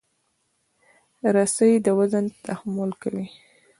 رسۍ د وزن تحمل کوي.